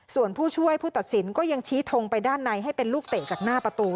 ส่วนผู้ช่วยผู้ตัดสินก็ยังชี้ทงไปด้านในให้เป็นลูกเตะจากหน้าประตู